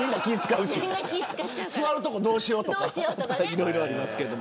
座る所どうしようとかいろいろありますけど。